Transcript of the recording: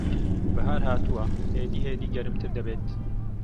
بەھار ھاتووە. ھێدی ھێدی گەرمتر دەبێت.